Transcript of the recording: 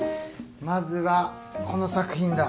まずはこの作品だ。